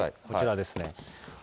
こちらですね。